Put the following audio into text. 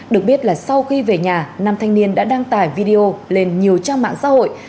được biết là sau khi về nhà năm thanh niên đã đăng tải video lên nhiều trang mạng xã hội